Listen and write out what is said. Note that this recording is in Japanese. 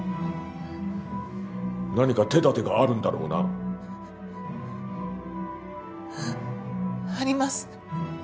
何か手だてがあるんだろうな？あります。